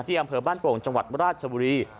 อำเภอบ้านโป่งจังหวัดราชบุรี